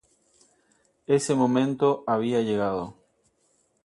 Ese momento había llegado.